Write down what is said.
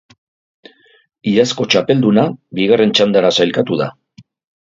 Iazko txapelduna bigarren txandara sailkatu da.